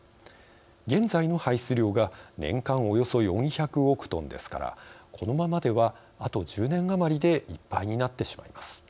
現在の排出量が年間およそ４００億トンですからこのままでは、あと１０年余りでいっぱいになってしまいます。